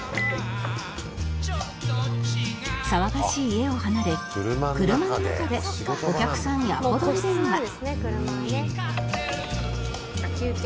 騒がしい家を離れ車の中でお客さんにアポ取り電話休憩。